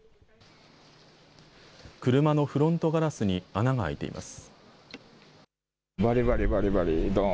車のフロントガラスに穴が開いています。